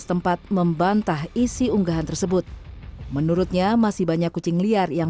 setempat membantah isi unggahan tersebut menurutnya masih banyak kucing liar yang